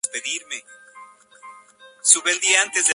Es el parque más antiguo de la ciudad y el más conocido.